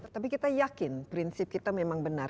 tapi kita yakin prinsip kita memang benar